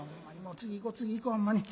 次行こ次行こほんまに。